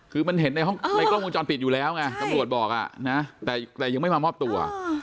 คือมันเห็นในกล้องวงจรปิดอยู่แล้วไงตำรวจบอกนะแต่ยังไม่มามอบตัว